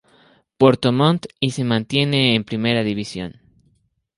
Puerto Montt, y se mantiene en Primera División.